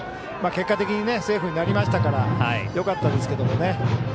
結果的にセーフになりましたからよかったですけどもね。